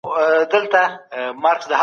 ښایسته